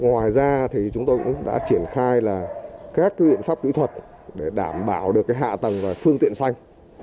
ngoài ra thì chúng tôi cũng đã triển khai các biện pháp kỹ thuật để đảm bảo được hạ tầng và phương tiện xanh